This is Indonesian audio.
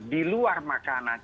di luar makanan